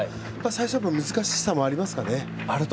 最初、やっぱり難しさもありますかね。